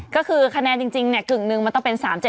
ก็คือคะแนนจริงกึ่งหนึ่งมันต้องเป็น๓๗